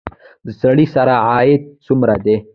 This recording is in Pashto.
د سړي سر عاید څومره دی؟